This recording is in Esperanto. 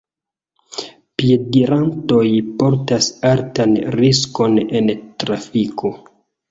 Piedirantoj portas altan riskon en trafiko.